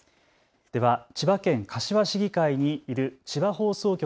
では千葉県柏市議会にいる千葉放送局